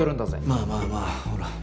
まあまあまあほら。